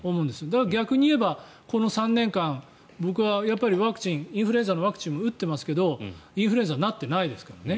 だから逆に言えばこの３年間僕はインフルエンザのワクチンも打っていますけれどインフルエンザになってないですからね。